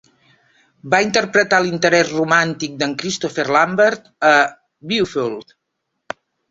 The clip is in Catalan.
Va interpretar l"interès romàntic de"n Christopher Lambert a "Beowulf".